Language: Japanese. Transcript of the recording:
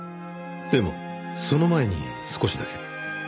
でもその前に少しだけ。